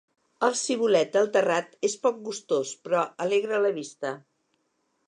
El cibulet del terrat és poc gustós, però alegra la vista.